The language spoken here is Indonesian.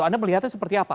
anda melihatnya seperti apa